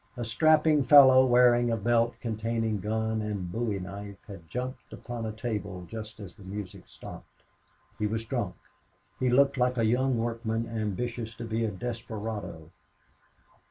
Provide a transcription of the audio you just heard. A strapping fellow wearing a belt containing gun and bowie knife had jumped upon a table just as the music stopped. He was drunk. He looked like a young workman ambitious to be a desperado.